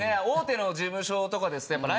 大手の事務所とかですね